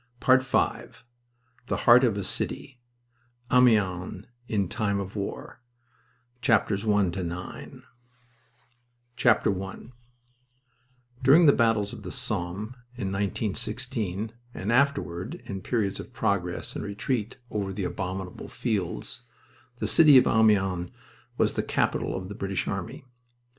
PART FIVE. THE HEART OF A CITY AMIENS IN TIME OF WAR I During the battles of the Somme in 1916, and afterward in periods of progress and retreat over the abominable fields, the city of Amiens was the capital of the British army.